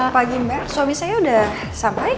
pagi mbak suami saya udah sampai